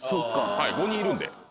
はい５人いるんで。